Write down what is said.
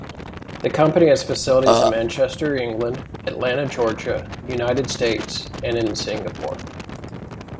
The company has facilities in Manchester, England, Atlanta, Georgia, United States and in Singapore.